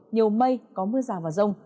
nhiều mây có mưa rào vào rông